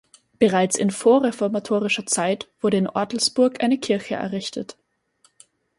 Bereits in vorreformatorischer Zeit wurde in Ortelsburg eine Kirche errichtet.